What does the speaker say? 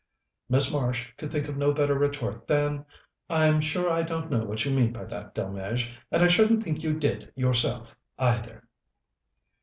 Miss Marsh could think of no better retort than "I'm sure I don't know what you mean by that, Delmege, and I shouldn't think you did yourself, either."